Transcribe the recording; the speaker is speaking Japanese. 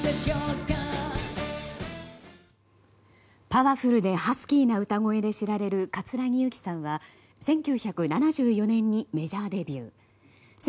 パワフルでハスキーな歌声で知られる葛城ユキさんは１９７４年にメジャーデビュー。